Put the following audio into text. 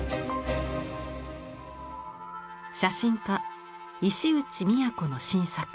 写真家石内都の新作。